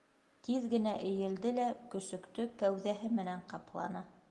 Тиҙ генә эйелде лә көсөктө кәүҙәһе менән ҡапланы.